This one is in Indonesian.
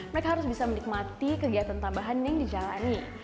mereka harus bisa menikmati kegiatan tambahan yang dijalani